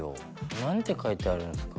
何て書いてあるんですか？